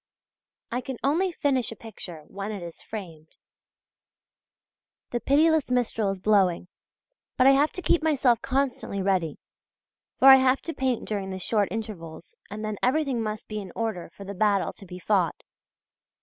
I can only finish a picture when it is framed. The pitiless Mistral is blowing! but I have to keep myself constantly ready; for I have to paint during the short intervals and then everything must be in order for the battle to be fought.